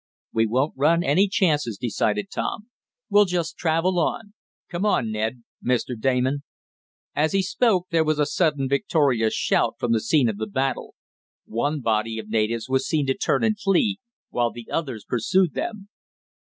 "We won't run any chances," decided Tom. "We'll just travel on. Come on, Ned Mr. Damon." As he spoke there was a sudden victorious shout from the scene of the battle. One body of natives was seen to turn and flee, while the others pursued them.